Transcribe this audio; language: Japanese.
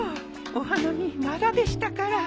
お花見まだでしたから。